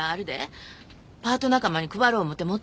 パート仲間に配ろう思うて持ってきたんや。